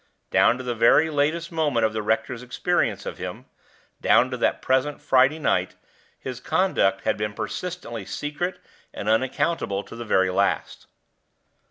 Down to the very latest moment of the rector's experience of him down to that present Friday night his conduct had been persistently secret and unaccountable to the very last.